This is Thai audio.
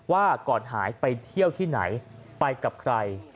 ว่าก่อนหายไปเที่ยวที่ไหนไปกับใคร